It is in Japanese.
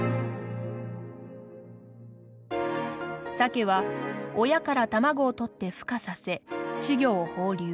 サケは親から卵を取って孵化させ稚魚を放流。